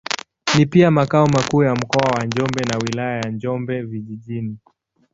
Ni pia makao makuu ya Mkoa wa Njombe na Wilaya ya Njombe Vijijini.